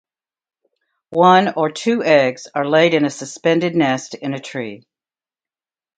One or two eggs are laid in a suspended nest in a tree.